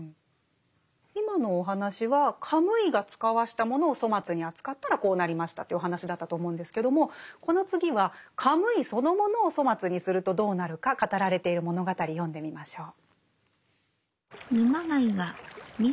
今のお話はカムイが遣わしたものを粗末に扱ったらこうなりましたというお話だったと思うんですけどもこの次はカムイそのものを粗末にするとどうなるか語られている物語読んでみましょう。